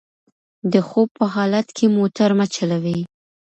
د خوب په حالت کې موټر مه چلوئ.